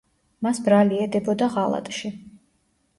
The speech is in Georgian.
მას ბრალი ედებოდა ღალატში.